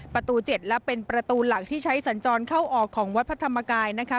ประตู๗และเป็นประตูหลักที่ใช้สัญจรเข้าออกของวัดพระธรรมกายนะคะ